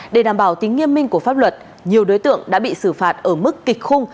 để đảm bảo tính nghiêm minh của pháp luật nhiều đối tượng đã bị xử phạt ở mức kịch khung